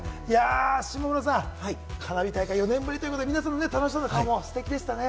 下村さん、花火大会４年ぶりということで楽しそうな顔もステキでしたね。